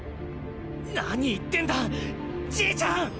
何言ってんだじいちゃん！